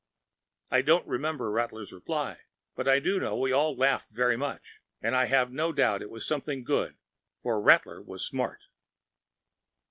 I don’t remember Rattler’s reply, but I know we all laughed very much, and I have no doubt it was something good, for Rattler was smart.